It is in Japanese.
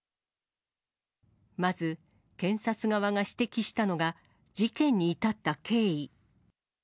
まず、検察側が指摘したのが、事件に至った経緯。